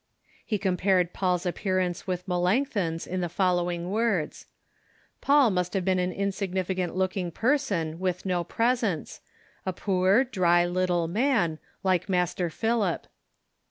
He com pared Paul's appearance with Melanchthon's in the following words :" Paul must have been an insignificant looking person, with no presence ; a poor, dry, little man, like Master Philip."